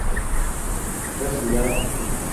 Bir yil-a!